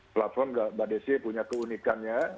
platform mbak desi punya keunikannya